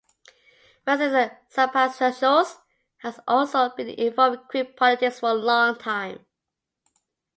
Vassilis Papazachos has also been involved in Greek politics for long time.